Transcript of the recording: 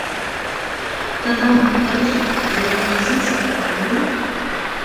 دادام بۇغدايغا سۇ تۇتقىلى يېزىمىزغا كەتكەن بولۇپ.